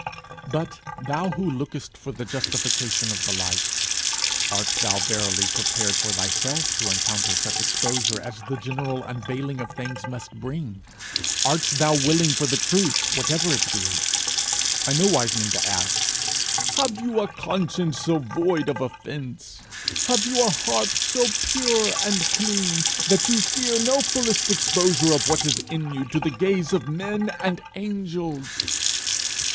But, thou who lookest for the justification of the light, art thou verily prepared for thyself to encounter such exposure as the general unveiling of things must bring? Art thou willing for the truth whatever it be? I nowise mean to ask, Have you a conscience so void of offence, have you a heart so pure and clean, that you fear no fullest exposure of what is in you to the gaze of men and angels?